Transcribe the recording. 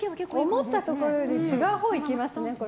思ったところより違うところにいきますね。